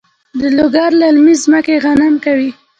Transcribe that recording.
د لوګر للمي ځمکې غنم کوي؟